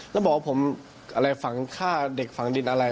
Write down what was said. แล้วบอกว่าผมอะไรฝังฆ่าเด็กฝังดินอะไร